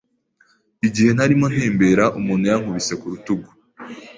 Igihe narimo ntembera, umuntu yankubise ku rutugu.